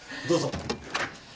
どうぞ。